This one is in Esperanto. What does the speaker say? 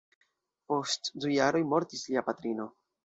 Post du jaroj mortis lia patrino.